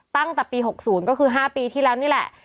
ตั้งแต่ปี๖๐ก็คือ๕ปีที่แล้วนี่แหละ